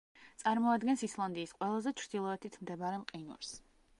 წარმოადგენს ისლანდიის ყველაზე ჩრდილოეთით მდებარე მყინვარს.